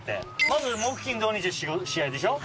まず木金土日試合でしょ？